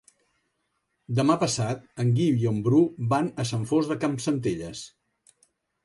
Demà passat en Guiu i en Bru van a Sant Fost de Campsentelles.